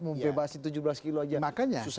mau bebasin tujuh belas kilo aja susah banget